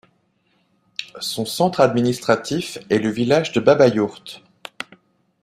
Son centre administratif est le village de Babayourt.